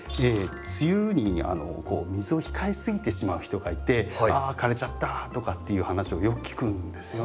梅雨に水を控えすぎてしまう人がいて「あ枯れちゃった」とかっていう話をよく聞くんですよね。